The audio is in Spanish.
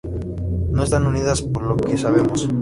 No están unidas, por lo que sabemos".